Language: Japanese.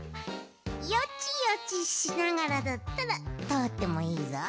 ヨチヨチしながらだったらとおってもいいぞ。